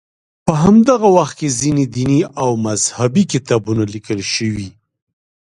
په همدغه وخت کې ځینې دیني او مذهبي کتابونه لیکل شوي.